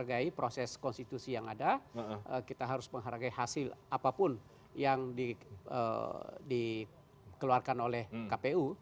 jadi sekali lagi proses konstitusi yang ada kita harus menghargai hasil apapun yang dikeluarkan oleh kpu